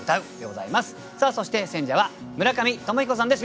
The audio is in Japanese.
そして選者は村上鞆彦さんです。